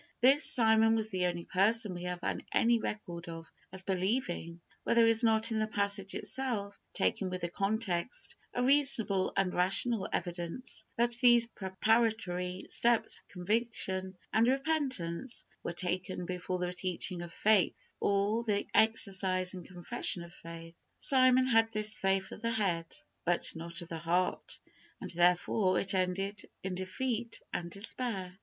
This Simon was the only person we have any record of, as believing, where there is not in the passage itself, taken with the context, a reasonable and rational evidence, that these preparatory steps of conviction and repentance, were taken before the teaching of faith, or the exercise and confession of faith. Simon had this faith of the head, but not of the heart, and, therefore, it ended in defeat and despair.